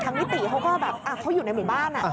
นิติเขาก็แบบเขาอยู่ในหมู่บ้าน